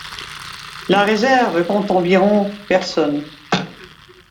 La réserve compte environ personnes.